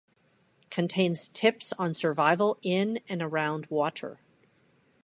Contains tips on survival in and around water.